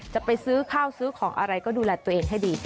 จะไปซื้อข้าวซื้อของอะไรก็ดูแลตัวเองให้ดี